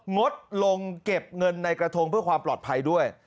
งดลงเก็บเงินในกระทงเพื่อความปลอดภัยด้วย